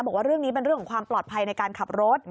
บอกว่าเรื่องนี้เป็นเรื่องของความปลอดภัยในการขับรถ